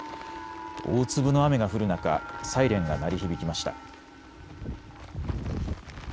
大粒の雨が降る中、サイレンが鳴り響きました。